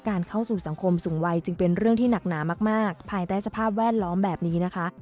เข้าสู่สังคมสูงวัยจึงเป็นเรื่องที่หนักหนามากภายใต้สภาพแวดล้อมแบบนี้นะคะ